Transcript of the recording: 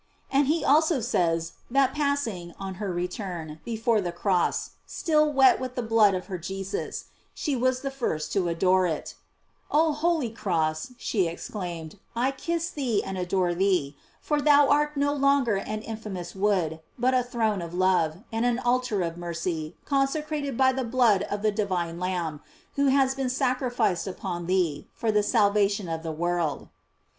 f And he also says, that passing, on her return, before the cross, still wet with the blood of her Jesus, she was the first to adore it : Oh holy cross, she exclaimed, I kiss thee arid adore thee; for thou art no longer an infamous wood, but a throne of love, and an altar of mercy, consecrated by the blood of the divine Lamb, who has been sacrificed upon thee, for the salvation of the world.